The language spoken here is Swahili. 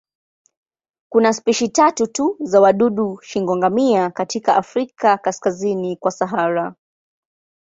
Kuna spishi tatu tu za wadudu shingo-ngamia katika Afrika kaskazini kwa Sahara.